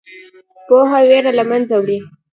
پوهه ویره له منځه وړي.